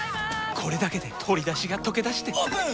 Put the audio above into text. これだけで鶏だしがとけだしてオープン！